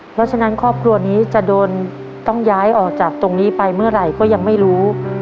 เพราะฉะนั้นครอบครัวนี้จะโดนต้องย้ายออกจากตรงนี้ไปเมื่อไหร่ก็ยังไม่รู้